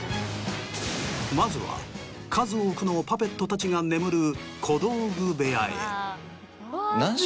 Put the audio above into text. まずは数多くのパペットたちが眠る。